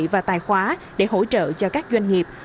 và tài khóa để hỗ trợ cho các doanh nghiệp